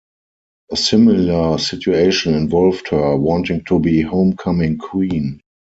A similar situation involved her wanting to be Homecoming Queen.